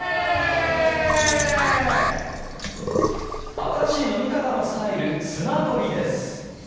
新しい飲み方のスタイルスマドリです。